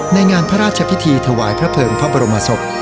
ในงานพระราชพิธีถวายพระเภิงพระบรมศพ